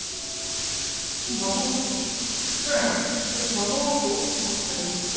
守ろうとしませんでした。